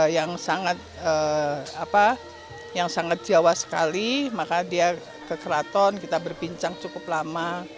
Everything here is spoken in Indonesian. yang sangat jawa sekali maka dia ke keraton kita berbincang cukup lama